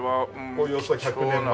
およそ１００年前。